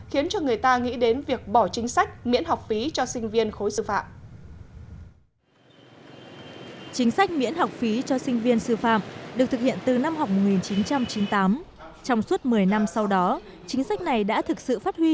hiện nay đó là nếu không miễn học phí cho sinh viên sư phạm sẽ hạn chế số lượng học sinh đăng ký xét tuyển